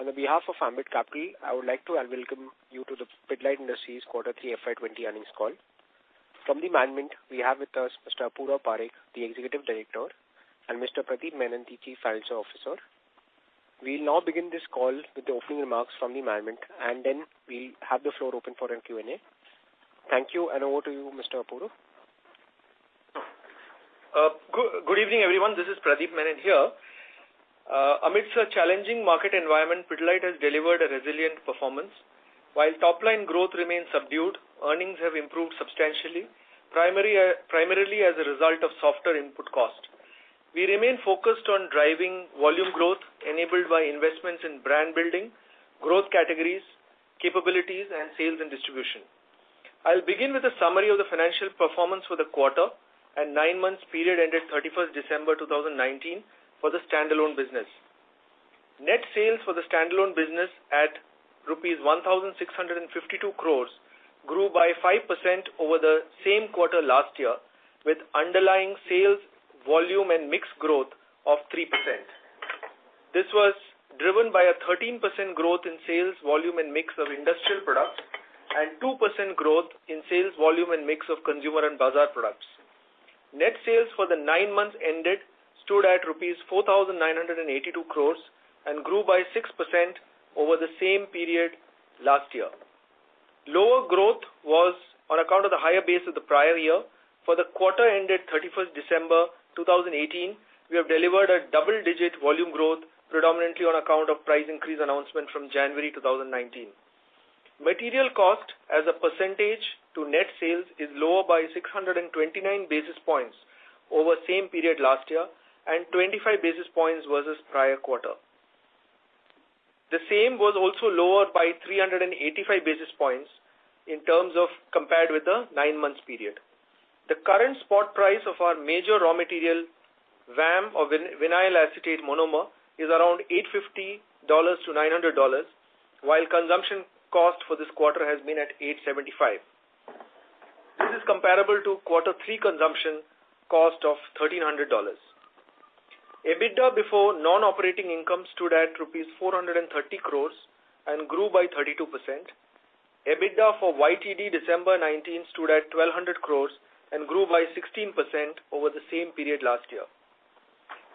On the behalf of Ambit Capital, I would like to welcome you to the Pidilite Industries Quarter Three FY 2020 earnings call. From the management, we have with us Mr. Apurva Parekh, the Executive Director, and Mr. Pradip Menon, the Chief Financial Officer. We will now begin this call with the opening remarks from the management, and then we will have the floor open for a Q&A. Thank you, and over to you, Mr. Apurva. Good evening, everyone. This is Pradip Menon here. Amidst a challenging market environment, Pidilite has delivered a resilient performance. While top-line growth remains subdued, earnings have improved substantially, primarily as a result of softer input cost. We remain focused on driving volume growth enabled by investments in brand building, growth categories, capabilities, and sales and distribution. I'll begin with a summary of the financial performance for the quarter and nine months period ended 31st December 2019 for the standalone business. Net sales for the standalone business at rupees 1,652 crore grew by 5% over the same quarter last year, with underlying sales volume and mix growth of 3%. This was driven by a 13% growth in sales volume and mix of Industrial Products and 2% growth in sales volume and mix of Consumer and Bazaar products. Net sales for the nine months ended stood at rupees 4,982 crore and grew by 6% over the same period last year. Lower growth was on account of the higher base of the prior year. For the quarter ended 31st December 2018, we have delivered a double-digit volume growth predominantly on account of price increase announcement from January 2019. Material cost as a percentage to net sales is lower by 629 basis points over the same period last year, and 25 basis points versus prior quarter. The same was also lower by 385 basis points in terms of compared with the nine-month period. The current spot price of our major raw material, VAM or vinyl acetate monomer, is around $850-$900, while consumption cost for this quarter has been at $875. This is comparable to quarter three consumption cost of $1,300. EBITDA before non-operating income stood at rupees 430 crore and grew by 32%. EBITDA for YTD December 2019 stood at 1,200 crore and grew by 16% over the same period last year.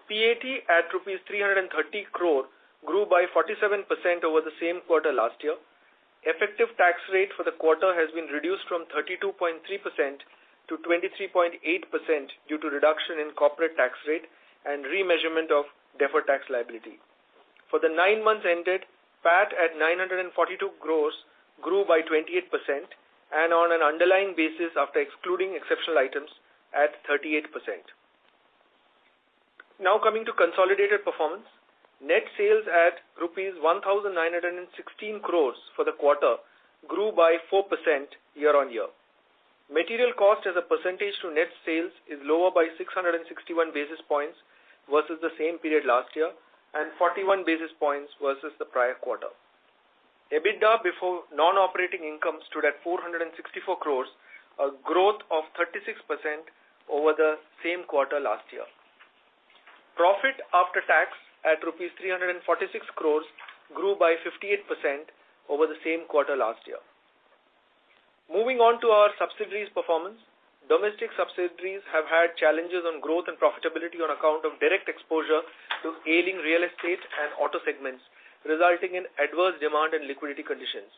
PAT at rupees 330 crore grew by 47% over the same quarter last year. Effective tax rate for the quarter has been reduced from 32.3% to 23.8% due to reduction in corporate tax rate and remeasurement of deferred tax liability. For the nine months ended, PAT at 942 crore grew by 28%, and on an underlying basis after excluding exceptional items, at 38%. Now coming to consolidated performance. Net sales at rupees 1,916 crore for the quarter grew by 4% year-on-year. Material cost as a percentage to net sales is lower by 661 basis points versus the same period last year and 41 basis points versus the prior quarter. EBITDA before non-operating income stood at 464 crore, a growth of 36% over the same quarter last year. Profit after tax at 346 crore rupees grew by 58% over the same quarter last year. Moving on to our subsidiaries' performance. Domestic subsidiaries have had challenges on growth and profitability on account of direct exposure to ailing real estate and auto segments, resulting in adverse demand and liquidity conditions.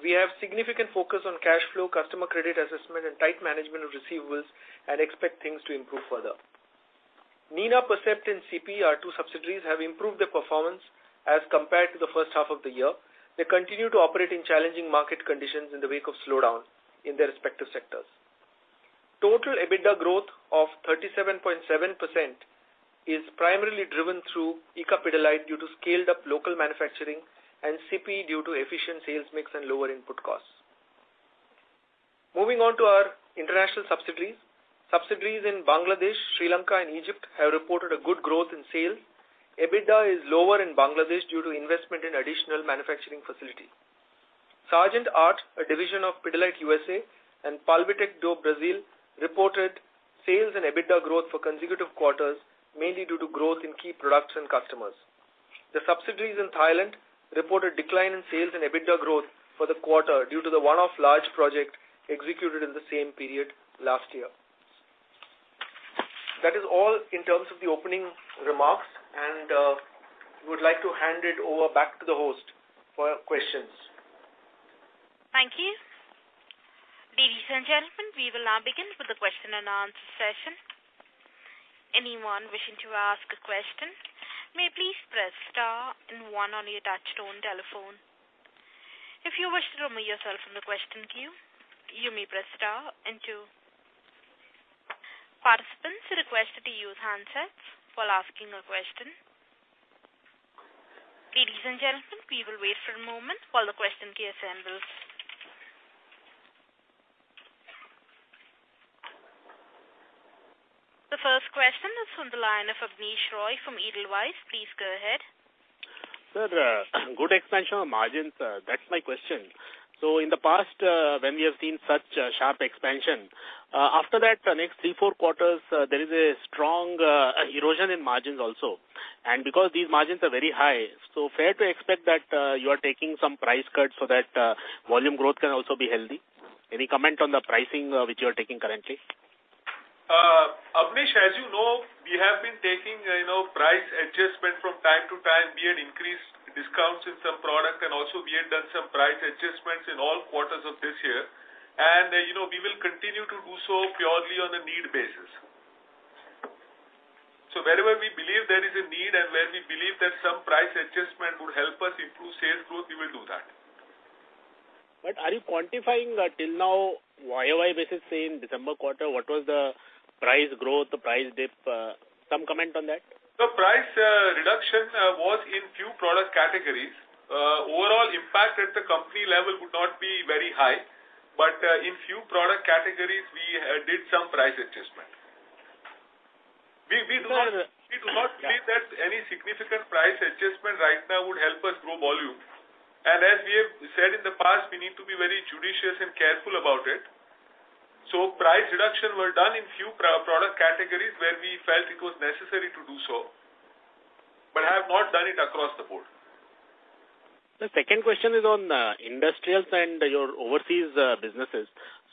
We have significant focus on cash flow, customer credit assessment, and tight management of receivables and expect things to improve further. Nina Percept and CIPY, our two subsidiaries, have improved their performance as compared to the first half of the year. They continue to operate in challenging market conditions in the wake of slowdowns in their respective sectors. Total EBITDA growth of 37.7% is primarily driven through ICA Pidilite due to scaled-up local manufacturing and CIPY due to efficient sales mix and lower input costs. Moving on to our international subsidiaries. Subsidiaries in Bangladesh, Sri Lanka, and Egypt have reported a good growth in sales. EBITDA is lower in Bangladesh due to investment in additional manufacturing facilities. Sargent Art, a division of Pidilite USA, and Pulvitec do Brasil reported sales and EBITDA growth for consecutive quarters, mainly due to growth in key products and customers. The subsidiaries in Thailand reported a decline in sales and EBITDA growth for the quarter due to the one-off large project executed in the same period last year. That is all in terms of the opening remarks, and we would like to hand it over back to the host for questions. Thank you. Ladies and gentlemen, we will now begin with the question-and-answer session. Anyone wishing to ask a question, may please press star and one on your touchtone telephone. If you wish to remove yourself from the question queue, you may press star and two. Participants are requested to use handsets while asking a question. Ladies and gentlemen, we will wait for a moment while the question queue assembles. The first question is from the line of Abneesh Roy from Edelweiss. Please go ahead. Sir, good expansion on margins. That's my question. In the past, when we have seen such a sharp expansion, after that the next three, four quarters, there is a strong erosion in margins also. Because these margins are very high, so fair to expect that you are taking some price cuts so that volume growth can also be healthy? Any comment on the pricing which you are taking currently? Abneesh, as you know, we have been taking price adjustment from time to time, be it increased discounts in some product, and also we have done some price adjustments in all quarters of this year. We will continue to do so purely on a need basis. Wherever we believe there is a need, and where we believe that some price adjustment would help us improve sales growth, we will do that. Are you quantifying till now YoY basis, say, in December quarter, what was the price growth, the price dip? Some comment on that? The price reduction was in few product categories. Overall impact at the company level would not be very high. In few product categories, we did some price adjustment. We do not believe that any significant price adjustment right now would help us grow volume. As we have said in the past, we need to be very judicious and careful about it. Price reduction were done in few product categories where we felt it was necessary to do so, but have not done it across the board. Sir, second question is on industrials and your overseas businesses.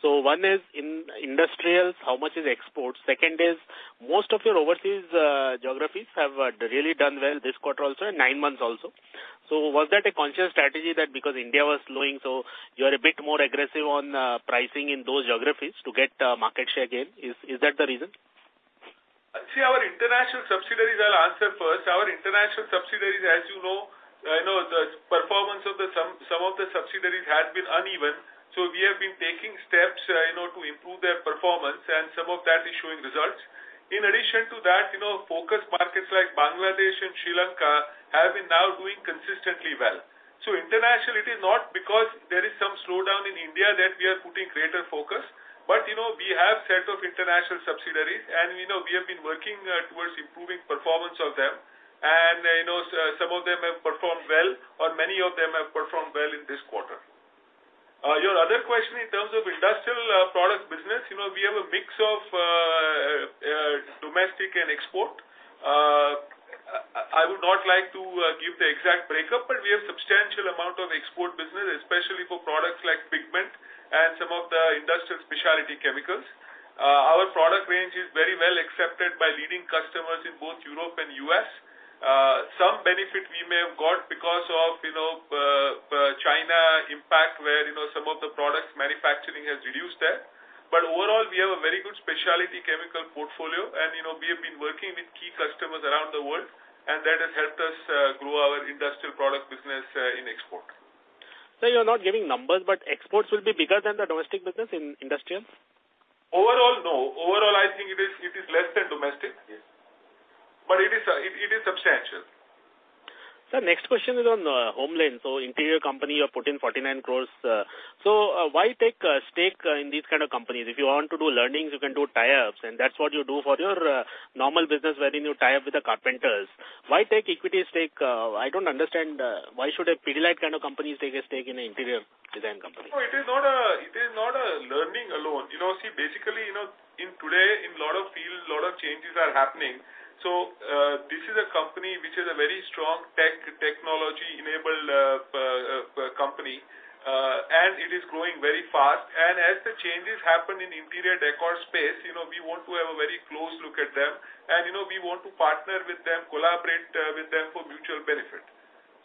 One is in industrials; how much is export? Second is, most of your overseas geographies have really done well this quarter also and nine months also. Was that a conscious strategy that because India was slowing, so you're a bit more aggressive on pricing in those geographies to get market share gain? Is that the reason? See, our international subsidiaries, I'll answer first. Our international subsidiaries, as you know, the performance of some of the subsidiaries had been uneven. We have been taking steps to improve their performance, and some of that is showing results. In addition to that, focus markets like Bangladesh and Sri Lanka have been now doing consistently well. International, it is not because there is some slowdown in India that we are putting greater focus. We have set of international subsidiaries, and we have been working towards improving performance of them. Some of them have performed well, or many of them have performed well in this quarter. Your other question in terms of Industrial Product business, we have a mix of domestic and export. I would not like to give the exact breakup, but we have substantial amount of export business, especially for products like pigment and some of the industrial specialty chemicals. Our product range is very well accepted by leading customers in both Europe and U.S. Some benefit we may have got because of China impact where some of the products manufacturing has reduced there. Overall, we have a very good specialty chemical portfolio, and we have been working with key customers around the world, and that has helped us grow our Industrial Product business in export. Sir, you're not giving numbers, but exports will be bigger than the domestic business in industrial? Overall, no. Overall, I think it is less than domestic. It is substantial. Sir, next question is on HomeLane. Interior company, you have put in 49 crore. Why take a stake in these kind of companies? If you want to do learnings, you can do tie-ups, and that's what you do for your normal business wherein you tie up with the carpenters. Why take equity stake? I don't understand, why should a Pidilite kind of company take a stake in an interior design company? No, it is not a learning alone. See, basically, today in lot of fields, lot of changes are happening. This is a company which is a very strong technology-enabled company, and it is growing very fast. As the changes happen in interior decor space, we want to have a very close look at them. We want to partner with them, collaborate with them for mutual benefit.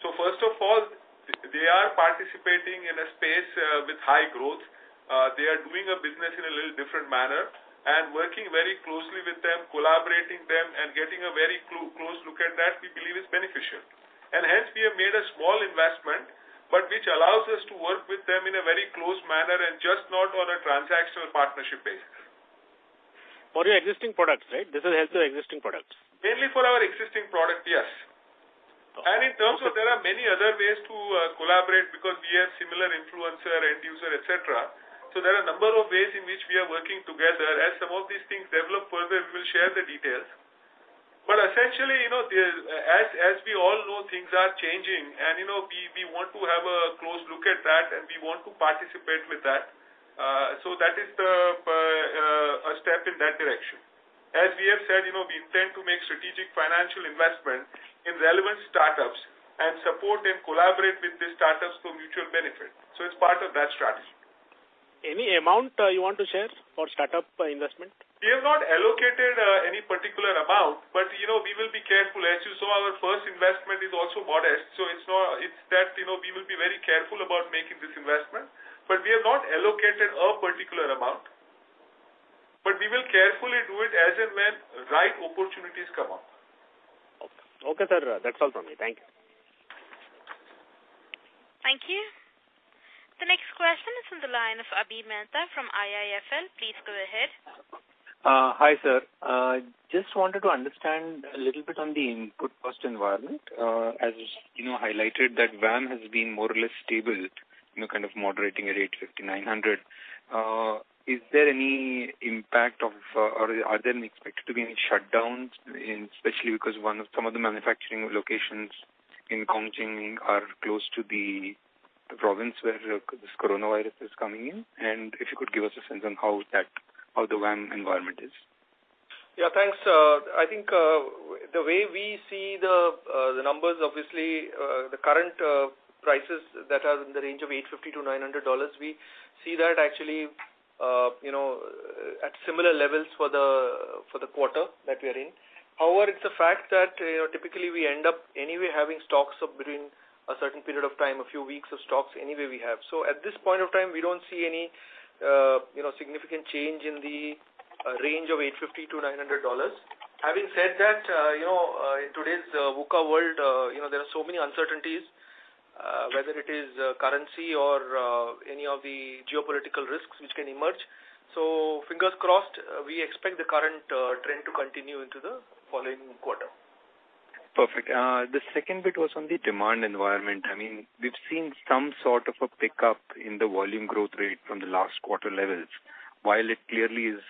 First of all, they are participating in a space with high growth. They are doing a business in a little different manner. Working very closely with them, collaborating them, and getting a very close look at that, we believe is beneficial. Hence we have made a small investment, but which allows us to work with them in a very close manner and just not on a transactional partnership basis. For your existing products, right? This will help the existing products? Mainly for our existing product, yes. In terms of there are many other ways to collaborate because we have similar influencer, end user, et cetera. There are number of ways in which we are working together. As some of these things develop further, we will share the details. Essentially, as we all know, things are changing and we want to have a close look at that and we want to participate with that. That is a step in that direction. As we have said, we intend to make strategic financial investment in relevant startups and support and collaborate with the startups for mutual benefit. It's part of that strategy. Any amount you want to share for startup investment? We have not allocated any particular amount. We will be careful. As you saw, our first investment is also modest. It's that we will be very careful about making this investment. We have not allocated a particular amount. We will carefully do it as and when right opportunities come up. Okay, sir. That's all from me. Thank you. Thank you. The next question is on the line of Avi Mehta from IIFL. Please go ahead. Hi, sir. Just wanted to understand a little bit on the input cost environment. As you highlighted that VAM has been more or less stable, kind of moderating at 8,500. Is there any impact of, or are there expected to be any shutdowns, especially because some of the manufacturing locations in Chongqing are close to the province where this coronavirus is coming in? If you could give us a sense on how the VAM environment is. Yeah, thanks. I think the way we see the numbers, obviously, the current prices that are in the range of $850-$900, we see that actually at similar levels for the quarter that we are in. However, it's a fact that typically we end up anyway having stocks up between a certain period of time, a few weeks of stocks anyway we have. At this point of time, we don't see any significant change in the range of $850-$900. Having said that, in today's VUCA world there are so many uncertainties, whether it is currency or any of the geopolitical risks which can emerge. Fingers crossed, we expect the current trend to continue into the following quarter. Perfect. The second bit was on the demand environment. We've seen some sort of a pickup in the volume growth rate from the last quarter levels. While it clearly is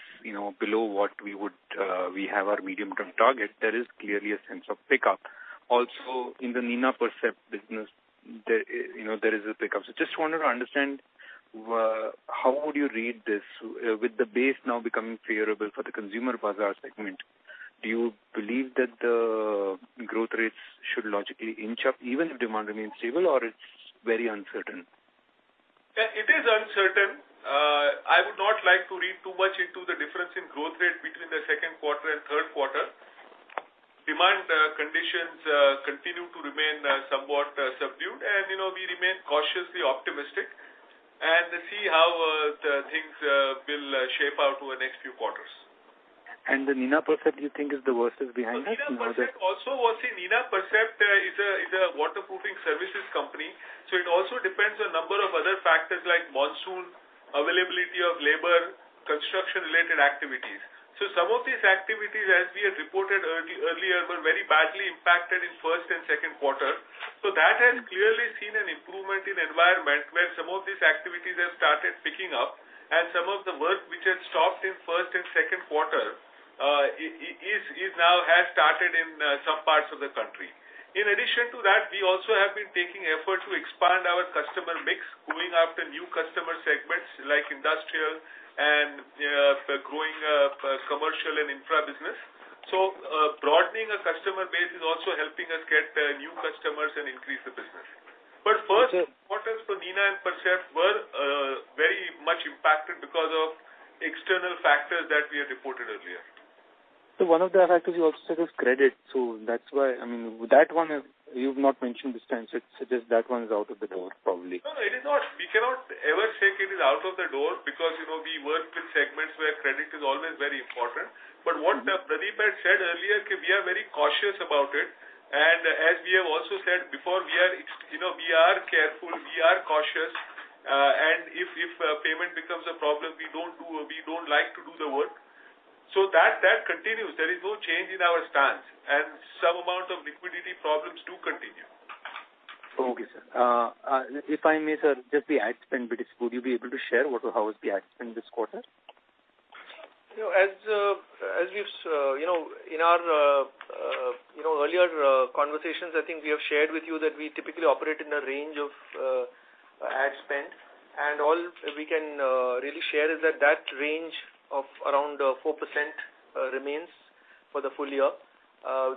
below what we have our medium-term target, there is clearly a sense of pickup. Also, in the Nina Percept business, there is a pickup. Just wanted to understand, how would you read this? With the base now becoming favorable for the Consumer and Bazaar segment, do you believe that the growth rates should logically inch up even if demand remains stable, or it's very uncertain? It is uncertain. I would not like to read too much into the difference in growth rate between the second quarter and third quarter. Demand conditions continue to remain somewhat subdued, and we remain cautiously optimistic and see how things will shape out over the next few quarters. The Nina Percept you think is the worst is behind us? Nina Percept is a waterproofing services company. It also depends on a number of other factors like monsoon, availability of labor, construction-related activities. Some of these activities, as we had reported earlier, were very badly impacted in first and second quarter. That has clearly seen an improvement in environment, where some of these activities have started picking up, and some of the work which had stopped in first and second quarter, now has started in some parts of the country. In addition to that, we also have been taking effort to expand our customer mix, going after new customer segments like industrial and growing commercial and infra business. Broadening a customer base is also helping us get new customers and increase the business. First quarters for Nina Percept were very much impacted because of external factors that we had reported earlier. One of the factors you also said is credit, too. That one you've not mentioned this time— suggest that one is out of the door, probably. No, it is not. We cannot ever say it is out of the door because we work with segments where credit is always very important. What Pradip had said earlier, we are very cautious about it. As we have also said before, we are careful, we are cautious, and if payment becomes a problem, we don't like to do the work. That continues. There is no change in our stance, and some amount of liquidity problems do continue. Okay, sir. If I may, sir, just the ad spend bit. Would you be able to share how is the ad spend this quarter? In our earlier conversations, I think we have shared with you that we typically operate in a range of ad spend. All we can really share is that that range of around 4% remains for the full year.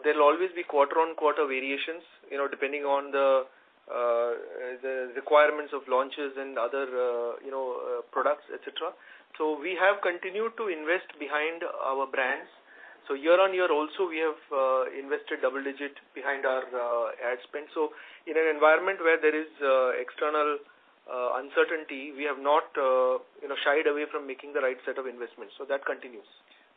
There'll always be quarter-on-quarter variations, depending on the requirements of launches and other products, et cetera. We have continued to invest behind our brands. Year-on-year also, we have invested double digit behind our ad spend. In an environment where there is external uncertainty, we have not shied away from making the right set of investments. That continues.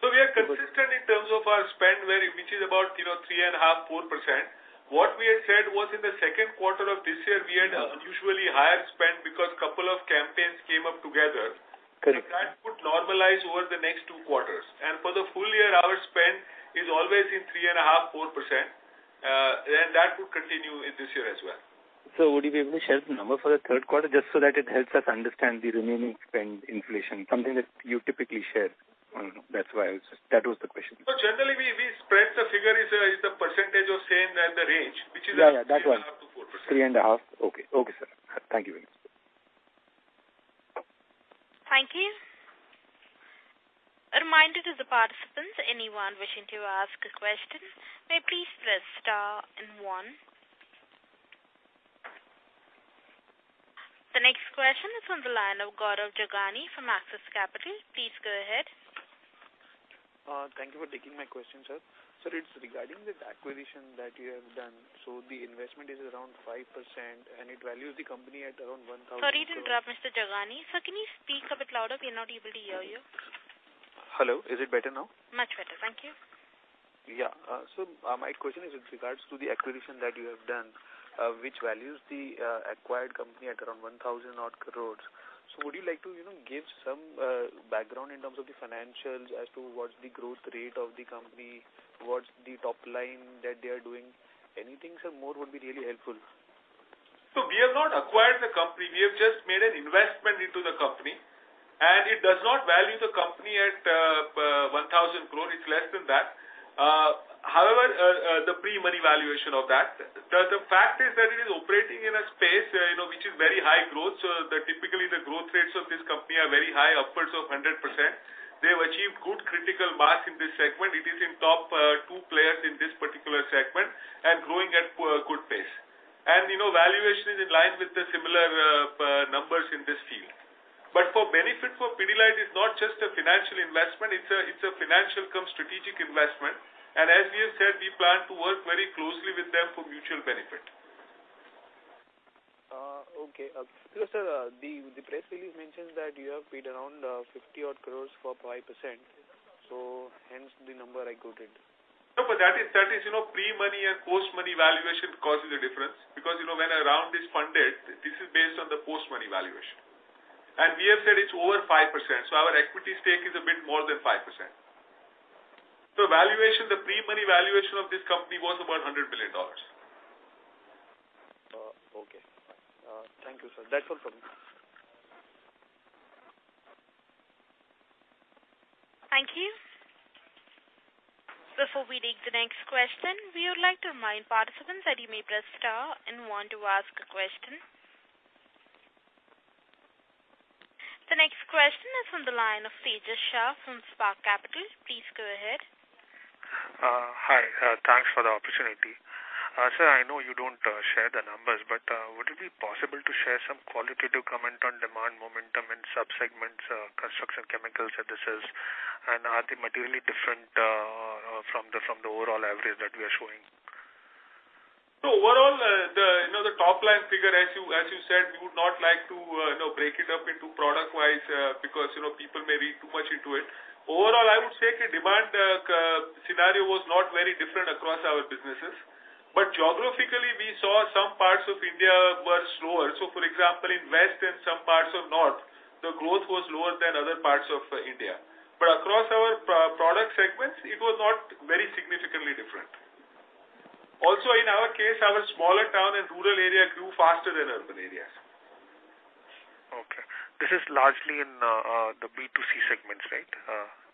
We are consistent in terms of our spend, which is about 3.5%, 4%. What we had said was in the second quarter of this year, we had unusually higher spent because couple of campaigns came up together. Correct. That would normalize over the next two quarters. For the full year, our spend is always in 3.5%, 4%, and that would continue in this year as well. Would you be able to share the number for the third quarter, just so that it helps us understand the remaining spend inflation, something that you typically share? That was the question. Generally, we spread the figure is the percentage of same and the range, which is. Yeah, that one. 3.5%-4%. 3.5%. Okay, sir. Thank you very much. Thank you. A reminder to the participants, anyone wishing to ask a question, may please press star and one. The next question is on the line of Gaurav Jogani from Axis Capital. Please go ahead. Thank you for taking my question, sir. Sir, it is regarding the acquisition that you have done. The investment is around 5%, and it values the company at around 1,000. Sorry to interrupt, Mr. Jogani. Sir, can you speak a bit louder? We are not able to hear you. Hello. Is it better now? Much better. Thank you. My question is in regards to the acquisition that you have done, which values the acquired company at around 1,000 odd crore. Would you like to give some background in terms of the financials as to what's the growth rate of the company, what's the top line that they are doing? Anything, sir, more would be really helpful. We have not acquired the company, we have just made an investment into the company. It does not value the company at 1,000 crore. It's less than that. The pre-money valuation of that. The fact is that it is operating in a space which is very high growth. Typically the growth rates of this company are very high, upwards of 100%. They have achieved good critical mass in this segment. It is in top 2 players in this particular segment and growing at good pace. Valuation is in line with the similar numbers in this field. For benefit for Pidilite, it's not just a financial investment, it's a financial cum strategic investment. As we have said, we plan to work very closely with them for mutual benefit. Okay. Sir, the press release mentions that you have paid around 50-odd crore for 5%, hence the number I quoted. That is pre-money and post-money valuation causing the difference because when a round is funded, this is based on the post-money valuation. We have said it's over 5%, so our equity stake is a bit more than 5%. Valuation, the pre-money valuation of this company was about $100 million. Okay. Thank you, sir. That's all from me. Thank you. Before we take the next question, we would like to remind participants that you may press star and one to ask a question. The next question is from the line of Tejas Shah from Spark Capital. Please go ahead. Hi, thanks for the opportunity. Sir, I know you don't share the numbers, would it be possible to share some qualitative comment on demand momentum in sub-segments, construction chemicals, adhesives, and are they materially different from the overall average that we are showing? Overall, the top-line figure, as you said, we would not like to break it up into product-wise, because people may read too much into it. Overall, I would say demand scenario was not very different across our businesses. Geographically, we saw some parts of India were slower. For example, in west and some parts of north, the growth was lower than other parts of India. Across our product segments, it was not very significantly different. Also in our case, our smaller town and rural area grew faster than urban areas. Okay. This is largely in the B2C segments, right?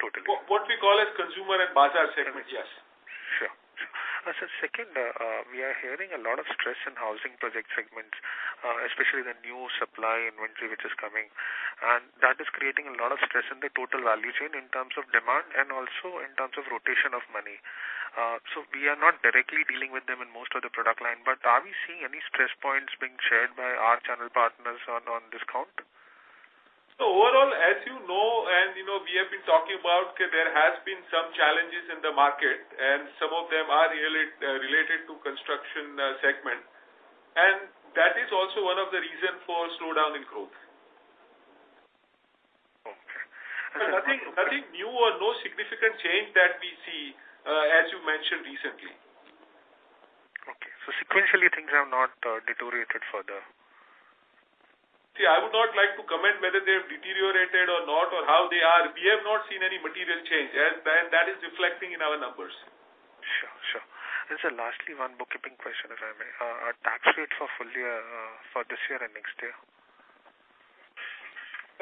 Totally. What we call as Consumer and Bazaar segment, yes. Sure. Sir, second, we are hearing a lot of stress in housing project segments, especially the new supply inventory which is coming, and that is creating a lot of stress in the total value chain in terms of demand and also in terms of rotation of money. We are not directly dealing with them in most of the product line, but are we seeing any stress points being shared by our channel partners on discount? Overall, as you know, and we have been talking about, there has been some challenges in the market and some of them are really related to construction segment. That is also one of the reasons for slowdown in growth. Okay. Nothing new or no significant change that we see, as you mentioned recently. Okay. Sequentially, things have not deteriorated further. See, I would not like to comment whether they have deteriorated or not or how they are. We have not seen any material change. That is reflecting in our numbers. Sure. Sir, lastly, one bookkeeping question, if I may. Tax rate for this year and next year?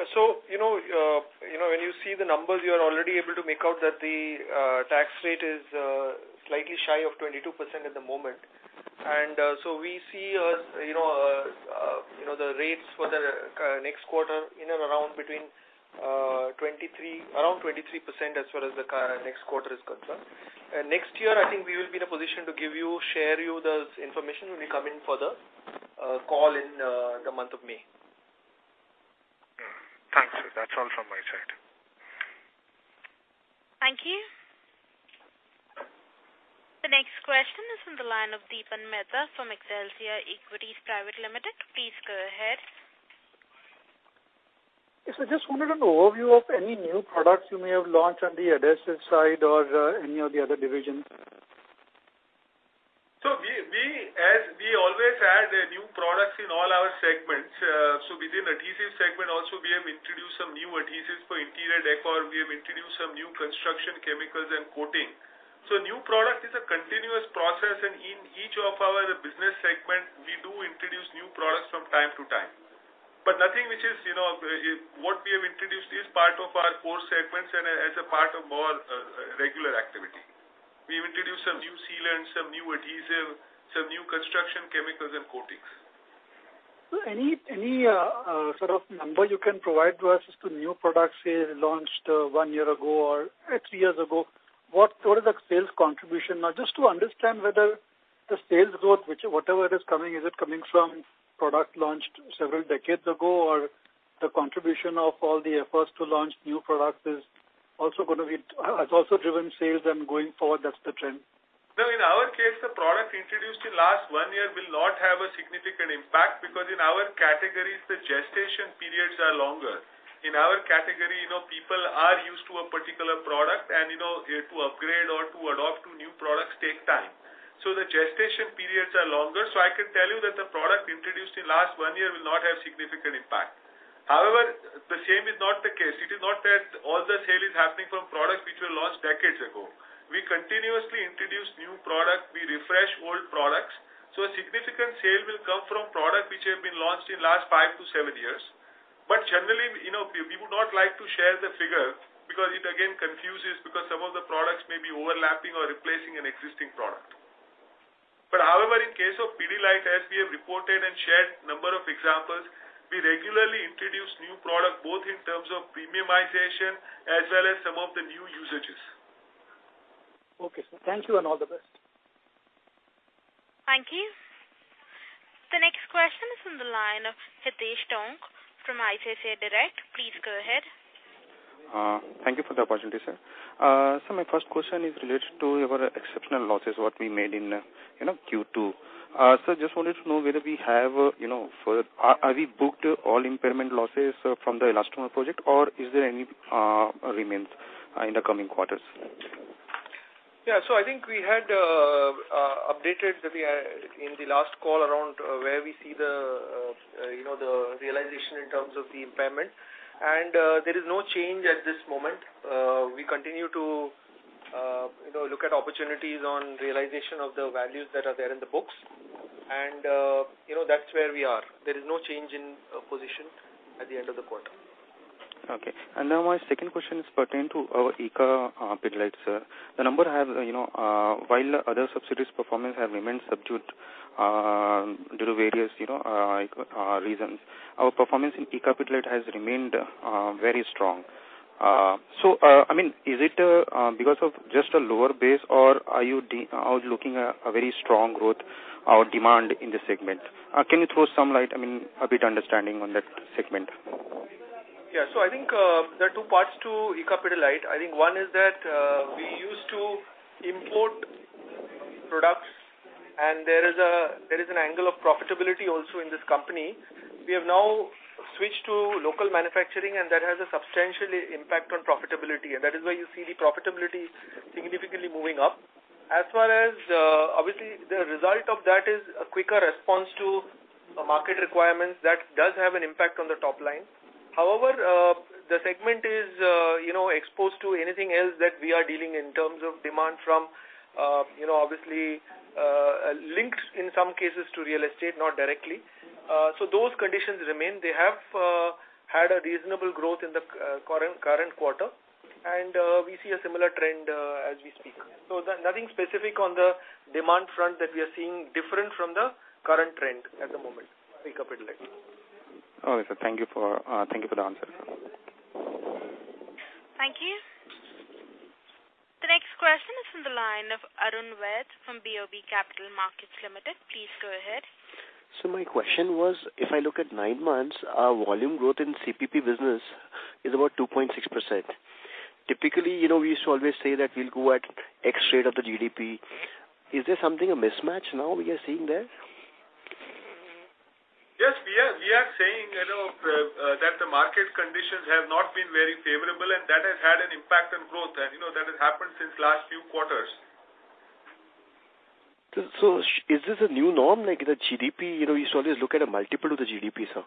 When you see the numbers, you're already able to make out that the tax rate is slightly shy of 22% at the moment. We see the rates for the next quarter in and around between 23%, as far as the next quarter is concerned. Next year, I think we will be in a position to share you the information when we come in for the call in the month of May. Thanks, sir. That's all from my side. Thank you. The next question is from the line of Dipan Mehta from Elixir Equities Private Limited. Please go ahead. Yes, I just wanted an overview of any new products you may have launched on the adhesives side or any of the other divisions? We always add new products in all our segments. Within adhesives segment also we have introduced some new adhesives for interior decor. We have introduced some new construction chemicals and coatings. New product is a continuous process, and in each of our business segment, we do introduce new products from time to time. What we have introduced is part of our core segments and as a part of our regular activity. We've introduced some new sealant, some new adhesive, some new construction chemicals and coatings. Any sort of number you can provide to us as to new products say launched one year ago or three years ago? What is the sales contribution? Just to understand whether the sales growth, whatever is coming, is it coming from product launched several decades ago, or the contribution of all the efforts to launch new products has also driven sales and going forward that is the trend? No, in our case, the product introduced in last one year will not have a significant impact because in our categories, the gestation periods are longer. In our category, people are used to a particular product, and to upgrade or to adopt to new products take time. The gestation periods are longer. I can tell you that the product introduced in last one year will not have significant impact. However, the same is not the case. It is not that all the sale is happening from products which were launched decades ago. We continuously introduce new product, we refresh old products. A significant sale will come from product which have been launched in last five to seven years. Generally, we would not like to share the figure because it again confuses because some of the products may be overlapping or replacing an existing product. However, in case of Pidilite, as we have reported and shared number of examples, we regularly introduce new product both in terms of premiumization as well as some of the new usages. Okay, sir. Thank you and all the best. Thank you. The next question is on the line of Hitesh Taunk from ICICI Direct. Please go ahead. Thank you for the opportunity, sir. Sir, my first question is related to your exceptional losses, what we made in Q2. Sir, just wanted to know whether have we booked all impairment losses from the Elastomer Project, or is there any remains in the coming quarters? I think we had updated in the last call around where we see the realization in terms of the impairment. There is no change at this moment. We continue to look at opportunities on realization of the values that are there in the books. That's where we are. There is no change in position at the end of the quarter. Okay. Now my second question is pertain to our ICA Pidilite, sir. While other subsidiaries performance have remained subdued due to various reasons, our performance in ICA Pidilite has remained very strong. Is it because of just a lower base, or are you out looking a very strong growth or demand in the segment? Can you throw some light, a bit understanding on that segment? I think there are two parts to ICA Pidilite. I think one is that we used to import products, and there is an angle of profitability also in this company. We have now switched to local manufacturing, and that has a substantial impact on profitability, and that is why you see the profitability significantly moving up. Obviously, the result of that is a quicker response to market requirements. That does have an impact on the top line. The segment is exposed to anything else that we are dealing in terms of demand from obviously linked in some cases to real estate, not directly. Those conditions remain. They have had a reasonable growth in the current quarter, and we see a similar trend as we speak. Nothing specific on the demand front that we are seeing different from the current trend at the moment in our Pidilite. Okay, sir. Thank you for the answer. Thank you. The next question is from the line of Arun Baid from BOB Capital Markets Limited. Please go ahead. My question was, if I look at nine months, our volume growth in CIPY business is about 2.6%. Typically, we used to always say that we'll go at X rate of the GDP. Is there something a mismatch now we are seeing there? Yes, we are saying that the market conditions have not been very favorable, and that has had an impact on growth. That has happened since last few quarters. Is this a new norm, like the GDP, you used to always look at a multiple of the GDP, sir.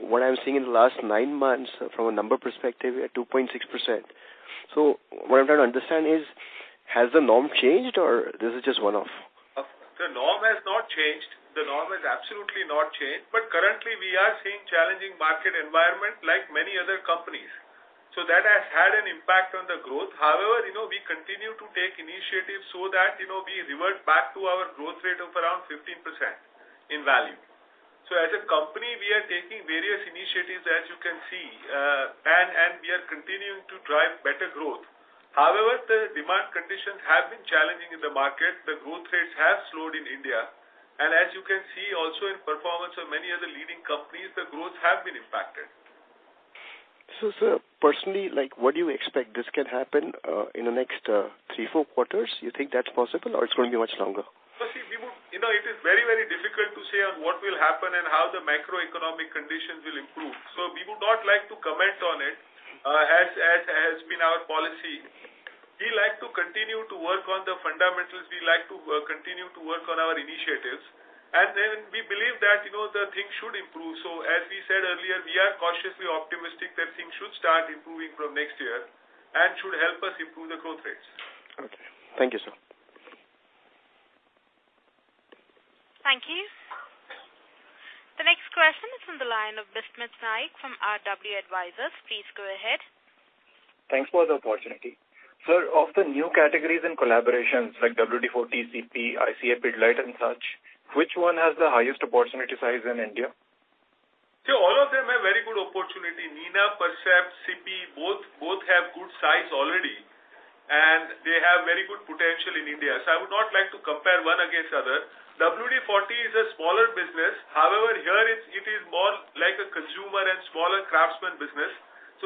What I'm seeing in the last nine months from a number perspective, we are 2.6%. What I'm trying to understand is, has the norm changed or this is just one-off? The norm has not changed. The norm has absolutely not changed. Currently, we are seeing challenging market environment like many other companies. That has had an impact on the growth. However, we continue to take initiatives so that we revert back to our growth rate of around 15% in value. As a company, we are taking various initiatives as you can see and we are continuing to drive better growth. However, the demand conditions have been challenging in the market. The growth rates have slowed in India. As you can see also in performance of many other leading companies, the growth have been impacted. Sir, personally, what do you expect this can happen in the next three, four quarters? You think that's possible or it's going to be much longer? You see, it is very difficult to say on what will happen and how the macroeconomic conditions will improve. We would not like to comment on it, as has been our policy. We like to continue to work on the fundamentals, we like to continue to work on our initiatives. We believe that things should improve. As we said earlier, we are cautiously optimistic that things should start improving from next year and should help us improve the growth rates. Okay. Thank you, sir. Thank you. The next question is on the line of Bismith Nayak from RW Advisors. Please go ahead. Thanks for the opportunity. Sir, of the new categories and collaborations like WD-40, CIPY, ICA Pidilite and such, which one has the highest opportunity size in India? All of them have very good opportunity. Nina Percept, CIPY, both have good size already, and they have very good potential in India. I would not like to compare one against other. WD-40 is a smaller business. However, here it is more like a Consumer and Bazaar business.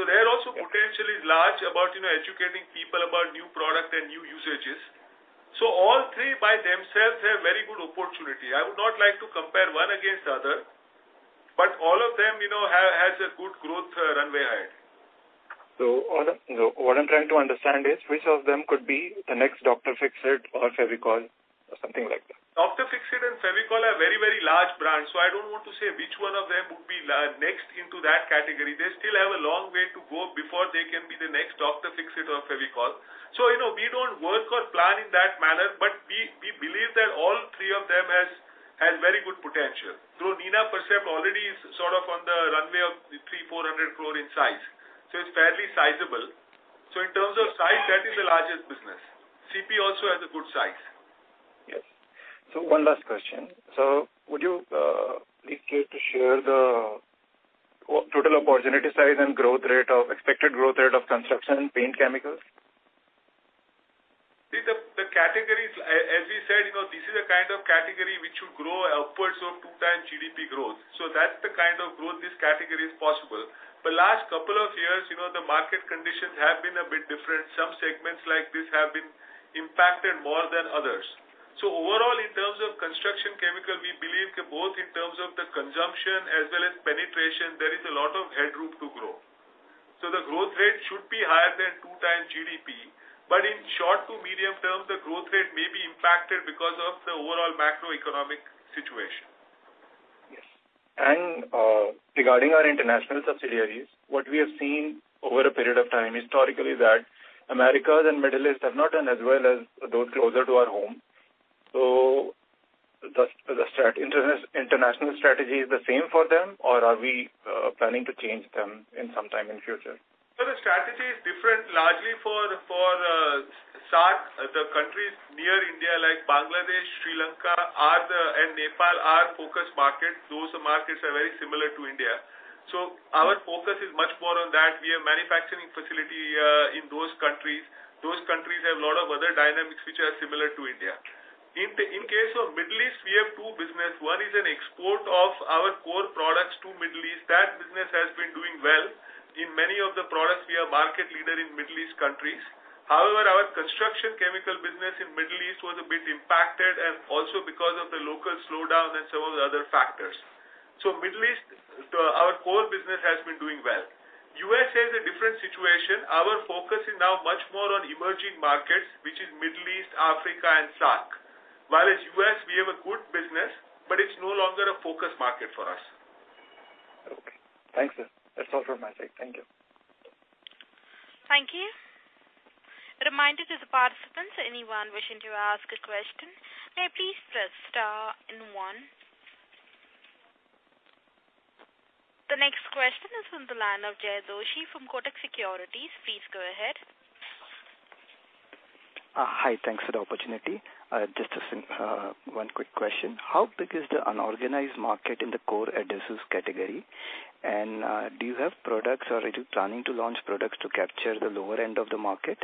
They're also potentially large about educating people about new product and new usages. All three by themselves have very good opportunity. I would not like to compare one against other. All of them have a good growth runway ahead. What I'm trying to understand is which of them could be the next Dr. Fixit or Fevicol or something like that. Dr. Fixit and Fevicol are very large brands, so I don't want to say which one of them would be next into that category. They still have a long way to go before they can be the next Dr. Fixit or Fevicol. We don't work or plan in that manner, but we believe that all three of them have very good potential. Nina Percept already is sort of on the runway of 300 crore-400 crore in size, so it's fairly sizable. In terms of size, that is the largest business. CIPY also has a good size. Yes. One last question. Would you please care to share the total opportunity size and expected growth rate of construction paint chemicals? As we said, this is a kind of category which should grow upwards of two times GDP growth. That's the kind of growth this category is possible. Last couple of years, the market conditions have been a bit different. Some segments like this have been impacted more than others. Overall, in terms of construction chemical, we believe both in terms of the consumption as well as penetration, there is a lot of headroom to grow. The growth rate should be higher than two times GDP. In short to medium-term, the growth rate may be impacted because of the overall macroeconomic situation. Yes. Regarding our international subsidiaries, what we have seen over a period of time historically is that Americas and Middle East have not done as well as those closer to our home. The international strategy is the same for them, or are we planning to change them in some time in future? The strategy is different largely for the countries near India like Bangladesh, Sri Lanka and Nepal are focused markets. Those markets are very similar to India. Our focus is much more on that. We have manufacturing facility in those countries. Those countries have a lot of other dynamics which are similar to India. In case of Middle East, we have two business. One is an export of our core products to Middle East. That business has been doing well. In many of the products we are market leader in Middle East countries. However, our construction chemical business in Middle East was a bit impacted and also because of the local slowdown and some of the other factors. Middle East, our core business has been doing well. U.S. has a different situation. Our focus is now much more on emerging markets, which is Middle East, Africa, and SAARC. While in U.S., we have a good business, but it's no longer a focus market for us. Okay. Thanks, sir. That's all from my side. Thank you. Thank you. A reminder to the participants, anyone wishing to ask a question, may I please press star one. The next question is from the line of Jaykumar Doshi from Kotak Securities. Please go ahead. Hi. Thanks for the opportunity. Just one quick question. How big is the unorganized market in the core adhesives category? Do you have products or are you planning to launch products to capture the lower end of the market?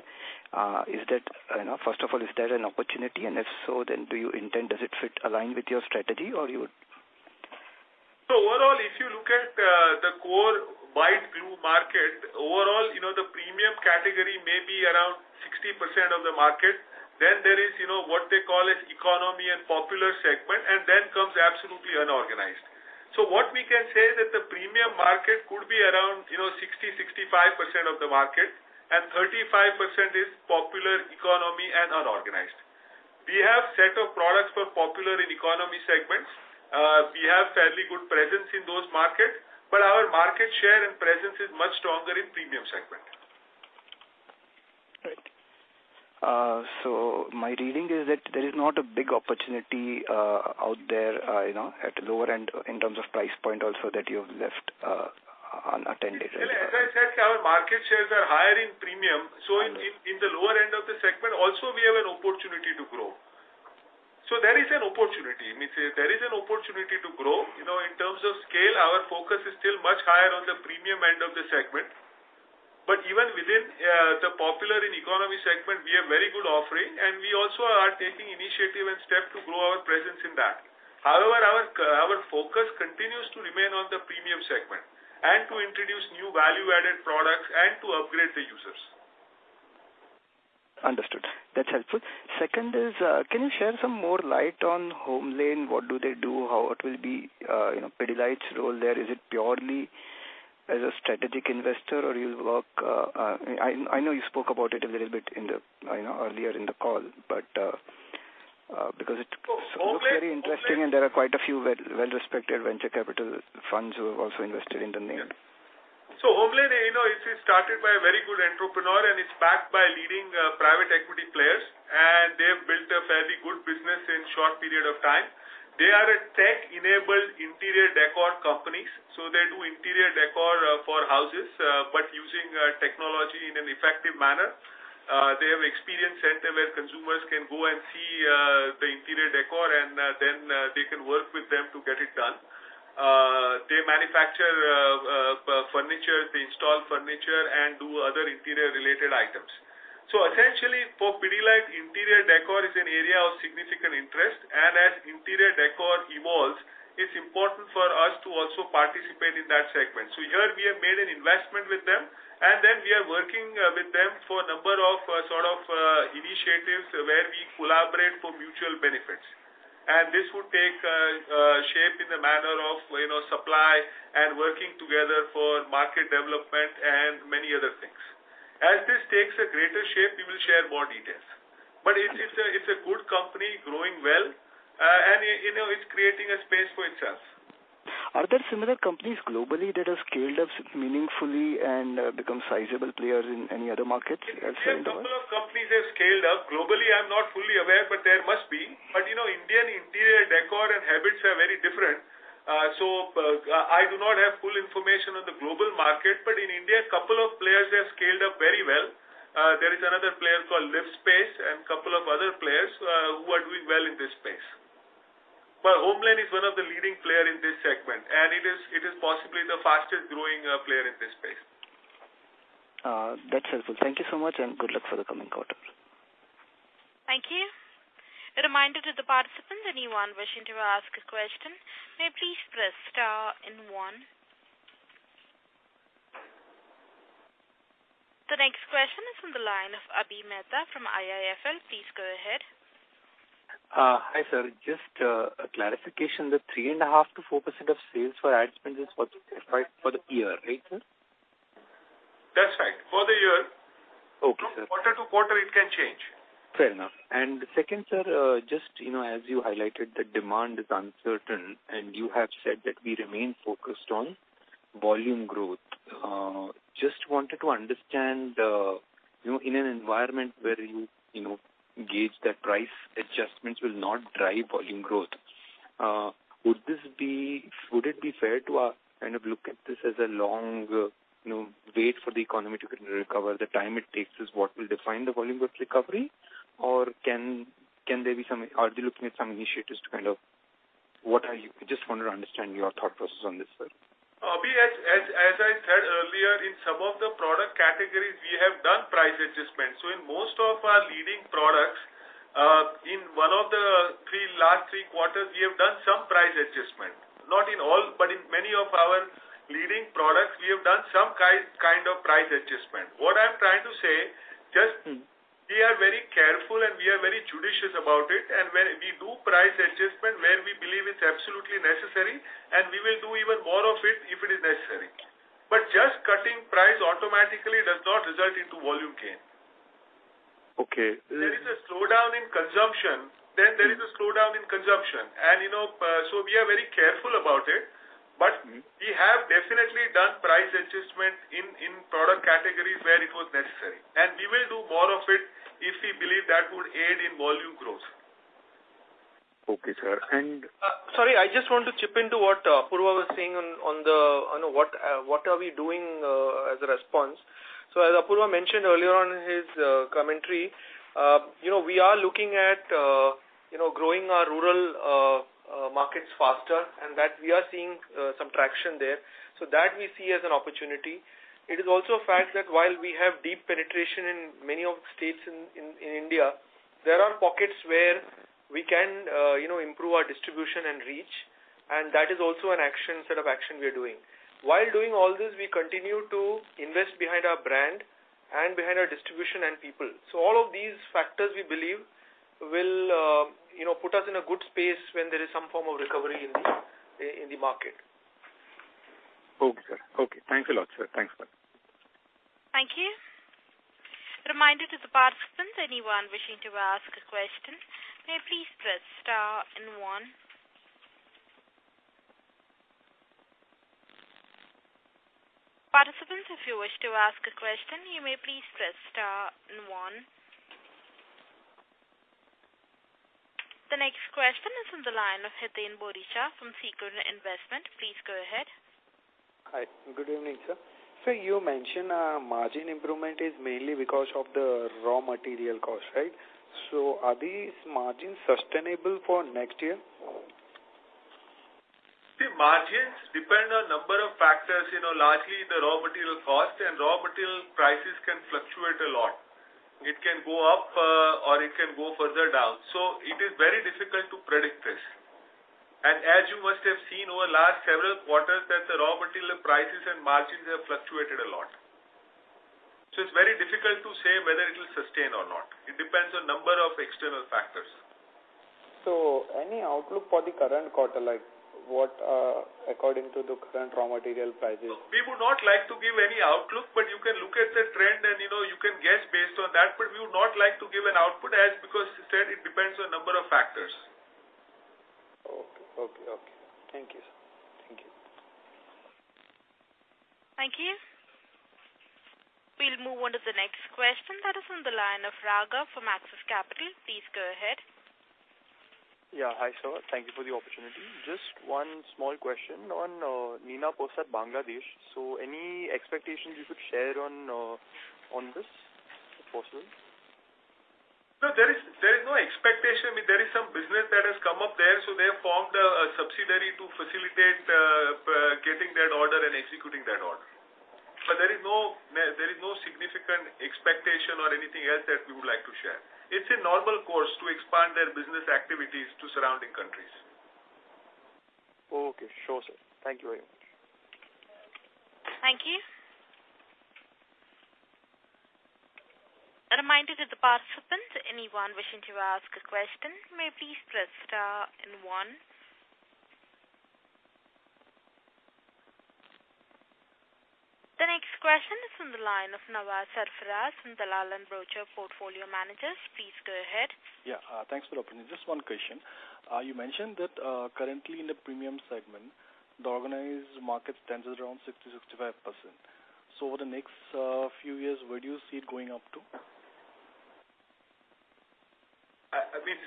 First of all, is that an opportunity and if so, then do you intend, does it align with your strategy? Overall, if you look at the core white glue market, overall, the premium category may be around 60% of the market. There is what they call economy and popular segment, and then comes absolutely unorganized. What we can say that the premium market could be around 60%-65% of the market and 35% is popular economy and unorganized. We have set of products for popular in economy segments. We have fairly good presence in those markets, but our market share and presence is much stronger in premium segment. Right. My reading is that there is not a big opportunity out there at lower end in terms of price point also that you have left unattended. As I said, our market shares are higher in premium, so in the lower end of the segment also we have an opportunity to grow. There is an opportunity to grow. In terms of scale, our focus is still much higher on the premium end of the segment. Even within the popular and economy segment, we have very good offering and we also are taking initiative and step to grow our presence in that. However, our focus continues to remain on the premium segment and to introduce new value-added products and to upgrade the users. Understood. That's helpful. Second is, can you share some more light on HomeLane? What do they do? How it will be Pidilite's role there? Is it purely as a strategic investor or you work? I know you spoke about it a little bit earlier in the call, because it looks very interesting and there are quite a few well-respected venture capital funds who have also invested in the name. HomeLane, it is started by a very good entrepreneur and it's backed by leading private equity players, and they've built a fairly good business in short period of time. They are a tech-enabled interior decor company. They do interior decor for houses but using technology in an effective manner. They have experience center where consumers can go and see the interior decor and then they can work with them to get it done. They manufacture furniture, they install furniture and do other interior related items. Essentially for Pidilite, interior decor is an area of significant interest and as interior decor evolves, it's important for us to also participate in that segment. Here we have made an investment with them and then we are working with them for a number of initiatives where we collaborate for mutual benefits. This would take shape in the manner of supply and working together for market development and many other things. As this takes a greater shape, we will share more details. It's a good company, growing well, and it's creating a space for itself. Are there similar companies globally that have scaled up meaningfully and become sizable players in any other markets? A couple of companies have scaled up. Globally, I am not fully aware, but there must be. Indian interior decor and habits are very different. I do not have full information on the global market. In India, a couple of players have scaled up very well. There is another player called Livspace and a couple of other players who are doing well in this space. HomeLane is one of the leading player in this segment, and it is possibly the fastest growing player in this space. That's helpful. Thank you so much, and good luck for the coming quarter. Thank you. A reminder to the participants, anyone wishing to ask a question, may please press star and one. The next question is from the line of Avi Mehta from IIFL. Please go ahead. Hi, sir. Just a clarification. The 3.5%-4% of sales for ad spend is for the year, right, sir? That's right. For the year. Okay, sir. Quarter-to-quarter, it can change. Fair enough. Second, sir, just as you highlighted, the demand is uncertain, and you have said that we remain focused on volume growth. Just wanted to understand, in an environment where you gauge that price adjustments will not drive volume growth, would it be fair to look at this as a long wait for the economy to recover? The time it takes is what will define the volume growth recovery? Are they looking at some initiatives? I just wanted to understand your thought process on this, sir. Avi, as I said earlier, in some of the product categories, we have done price adjustments. In most of our leading products, in one of the last three quarters, we have done some price adjustment. Not in all, but in many of our leading products, we have done some kind of price adjustment. What I'm trying to say, just we are very careful and we are very judicious about it, and we do price adjustment where we believe it's absolutely necessary, and we will do even more of it if it is necessary. Just cutting price automatically does not result into volume gain. Okay. If there is a slowdown in consumption, then there is a slowdown in consumption. We are very careful about it, but we have definitely done price adjustments in product categories where it was necessary. We will do more of it if we believe that would aid in volume growth. Okay, sir. Sorry, I just want to chip into what Apurva was saying on what are we doing as a response. As Apurva mentioned earlier on in his commentary, we are looking at growing our rural markets faster, and that we are seeing some traction there. That we see as an opportunity. It is also a fact that while we have deep penetration in many of the states in India, there are pockets where we can improve our distribution and reach, and that is also a set of action we are doing. While doing all this, we continue to invest behind our brand and behind our distribution and people. All of these factors, we believe will put us in a good space when there is some form of recovery in the market. Okay, sir. Okay. Thanks a lot, sir. Thanks. Thank you. A reminder to the participants, anyone wishing to ask a question, may please press star and one. Participants, if you wish to ask a question, you may please press star and one. The next question is on the line of Hiten Boricha from Sequent Investment. Please go ahead. Hi. Good evening, sir. Sir, you mentioned margin improvement is mainly because of the raw material cost, right? Are these margins sustainable for next year? Margins depend on number of factors, largely the raw material cost, and raw material prices can fluctuate a lot. It can go up, or it can go further down. It is very difficult to predict this. As you must have seen over the last several quarters, that the raw material prices and margins have fluctuated a lot. It's very difficult to say whether it will sustain or not. It depends on a number of external factors. Any outlook for the current quarter, according to the current raw material prices? We would not like to give any outlook, but you can look at the trend and you can guess based on that, but we would not like to give an output as because, as I said, it depends on a number of factors. Okay. Thank you, sir. Thank you. Thank you. We'll move on to the next question that is on the line of Raghav from Axis Capital. Please go ahead. Yeah. Hi, sir. Thank you for the opportunity. Just one small question on Nina Percept Bangladesh. Any expectations you could share on this, if possible? There is no expectation. There is some business that has come up there, so they have formed a subsidiary to facilitate getting that order and executing that order. There is no significant expectation or anything else that we would like to share. It's a normal course to expand their business activities to surrounding countries. Okay. Sure, sir. Thank you very much. Reminder to the participants, anyone wishing to ask a question may please press star and one. The next question is on the line of Nawaz Sarfaraz from Dalal & Broacha Portfolio Managers. Please go ahead. Yeah. Thanks for the opportunity. Just one question. You mentioned that currently in the premium segment, the organized market stands at around 60%-65%. Over the next few years, where do you see it going up to? It's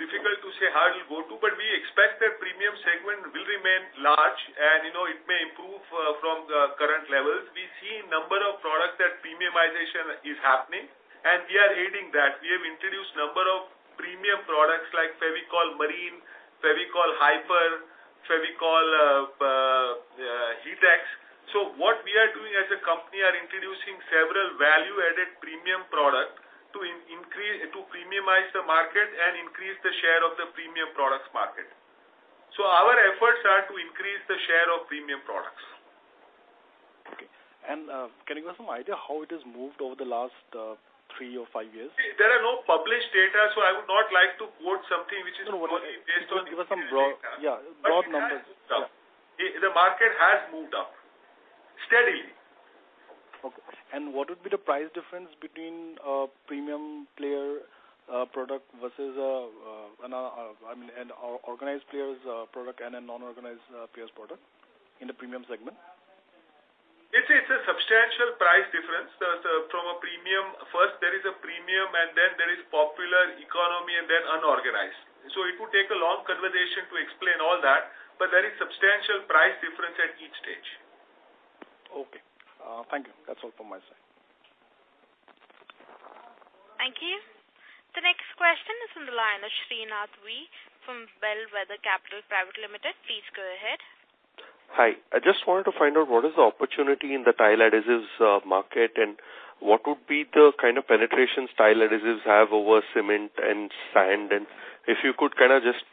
difficult to say how it will go to, but we expect that premium segment will remain large, and it may improve from the current levels. We see number of products that premiumization is happening, and we are aiding that. We have introduced number of premium products like Fevicol Marine, Fevicol Hi-Per, Fevicol HeatX. What we are doing as a company are introducing several value-added premium product to premiumize the market and increase the share of the premium products market. Our efforts are to increase the share of premium products. Okay. Can you give some idea how it has moved over the last three or five years? There are no published data, so I would not like to quote something— Give us some broad numbers. Yeah. —the market has moved up steadily. Okay. What would be the price difference between a premium player product versus an organized player's product and a non-organized player's product in the premium segment? It's a substantial price difference. First there is a premium and then there is popular economy and then unorganized. It would take a long conversation to explain all that, but there is substantial price difference at each stage. Okay. Thank you. That's all from my side. Thank you. The next question is on the line, Srinath V. from Bellwether Capital Private Limited. Please go ahead. Hi. I just wanted to find out what is the opportunity in the tile adhesives market and what would be the kind of penetration tile adhesives have over cement and sand. If you could kind of just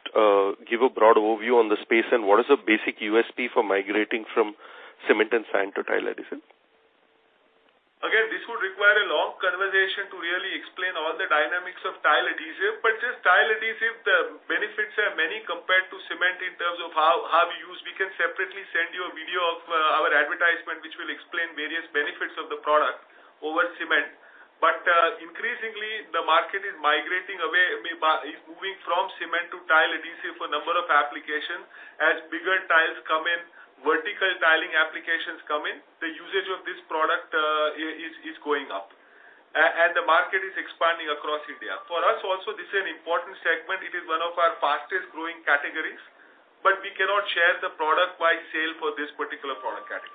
give a broad overview on the space and what is the basic USP for migrating from cement and sand to tile adhesive. This would require a long conversation to really explain all the dynamics of tile adhesive. Just tile adhesive, the benefits are many compared to cement in terms of how we use. We can separately send you a video of our advertisement, which will explain various benefits of the product over cement. Increasingly, the market is migrating away, is moving from cement to tile adhesive for a number of applications. As bigger tiles come in, vertical tiling applications come in, the usage of this product is going up. The market is expanding across India. For us also, this is an important segment. It is one of our fastest-growing categories. We cannot share the product by sale for this particular product category.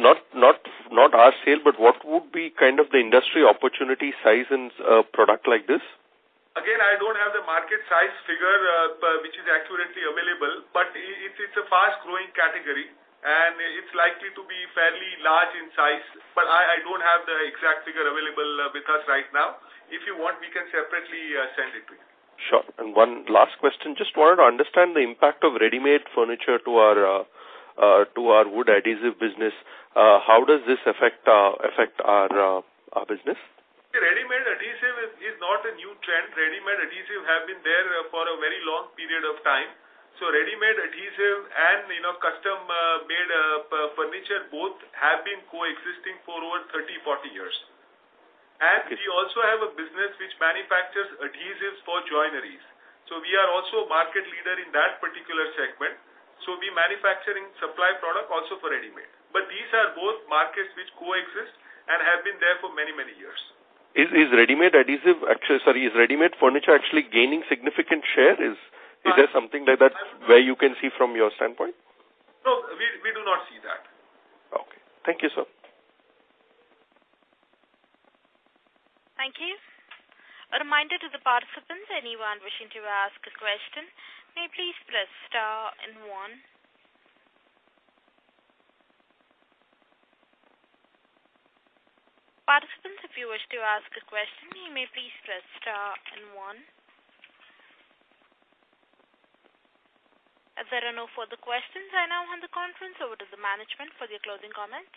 Not our sale, but what would be kind of the industry opportunity size in a product like this? Again, I don't have the market size figure which is accurately available. It's a fast-growing category, and it's likely to be fairly large in size. I don't have the exact figure available with us right now. If you want, we can separately send it to you. Sure. One last question. Just wanted to understand the impact of ready-made furniture to our wood adhesive business. How does this affect our business? Ready-made adhesive is not a new trend. Ready-made adhesive have been there for a very long period of time. Ready-made adhesive and custom-made furniture both have been coexisting for over 30, 40 years. We also have a business which manufactures adhesives for joineries. We are also a market leader in that particular segment. We'll be manufacturing supply product also for ready-made. These are both markets which coexist and have been there for many, many years. Is ready-made furniture actually gaining significant share? Is there something like that where you can see from your standpoint? No, we do not see that. Okay. Thank you, sir. Thank you. A reminder to the participants, anyone wishing to ask a question may please press star and one. Participants, if you wish to ask a question, you may please press star and one. If there are no further questions, I now hand the conference over to the management for their closing comments.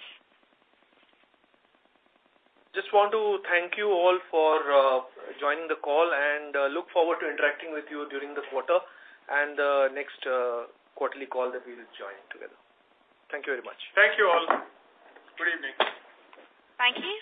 Just want to thank you all for joining the call. Look forward to interacting with you during the quarter and next quarterly call that we will join together. Thank you very much. Thank you all. Good evening. Thank you.